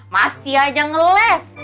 masih aja ngeles